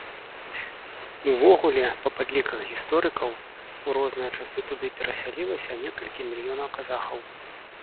Увогуле, па падліках гісторыкаў, у розныя часы туды перасялілася некалькі мільёнаў казахаў.